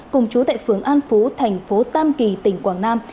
cùng chú tại phướng an phú thành phố tam kỳ tỉnh quảng nam